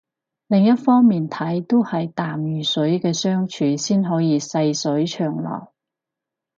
另一方面睇都係淡如水嘅相處先可以細水長流